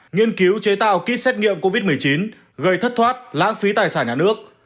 nghiên cứu chế tạo kit xét nghiệm covid một mươi chín gây thất thoát lãng phí tài sản nhà nước